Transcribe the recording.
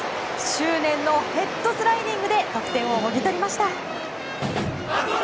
執念のヘッドスライディングで得点をもぎ取りました。